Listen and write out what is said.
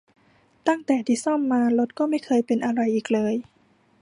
ตั้งแต่ที่ซ่อมมา รถก็ไม่เคยเป็นอะไรอีกเลย